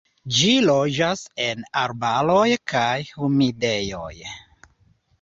Ĝi loĝas en arbaroj kaj humidejoj.